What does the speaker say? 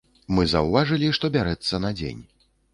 Мы заўважылі, што бярэцца на дзень.